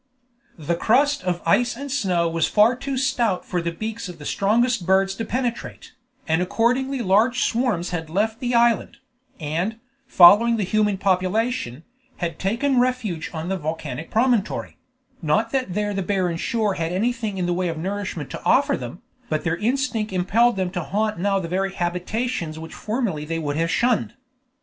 The crust of ice and snow was far too stout for the beaks of the strongest birds to penetrate, and accordingly large swarms had left the island, and, following the human population, had taken refuge on the volcanic promontory; not that there the barren shore had anything in the way of nourishment to offer them, but their instinct impelled them to haunt now the very habitations which formerly they would have shunned.